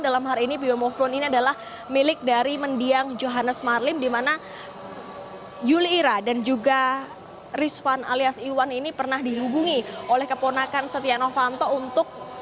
dalam hari ini biomofon ini adalah milik dari mendiang johannes marlim di mana yuli ira dan juga rizwan alias iwan ini pernah dihubungi oleh keponakan setia novanto untuk